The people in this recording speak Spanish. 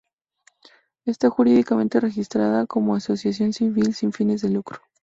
Está jurídicamente registrada como asociación civil sin fines de lucro.